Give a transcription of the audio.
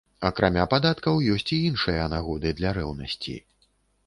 Акрамя падаткаў ёсць і іншыя нагоды для рэўнасці.